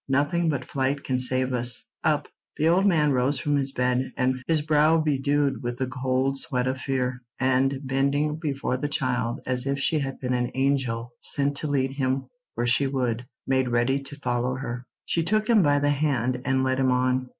Nothing but flight can save us. Up!" The old man rose from his bed, his brow bedewed with the cold sweat of fear, and, bending before the child as if she had been an angel sent to lead him where she would, made ready to follow her. She took him by the hand and led him on.